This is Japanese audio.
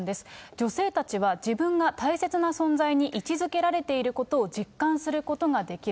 女性たちは自分が大切な存在に位置づけられていることを実感することができる。